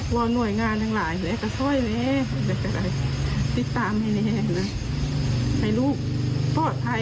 ว่าหน่วยงานทั้งหลายส่อยแม่ติดตามแม่ให้ลูกปลอดภัย